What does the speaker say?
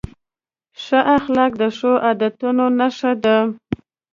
ښه اخلاق د ښو عادتونو نښه ده.